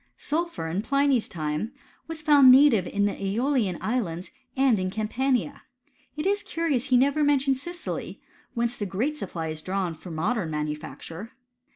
Sulphur, in Pliny*s time, was found Uative in the ^olian islands, and in Campania. It is curious that he never mentions Sicily, whence the great supply is drawn for modem manufacture.